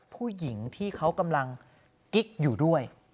ผู้หญิงที่เขากำลังกิ๊กอยู่ด้วย